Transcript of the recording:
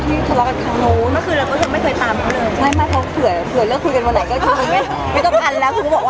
มีคนสงสัยดึงความสัมพันธ์กับคุณโภค